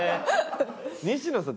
西野さん